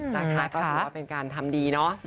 นะคะก็สมมติว่าเป็นการทำดีนะ